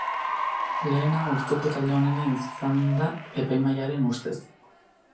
Lehena urteko talde onena izan da epaimahairen ustez.